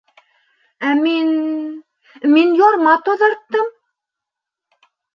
— Ә мин... мин ярма таҙарттым!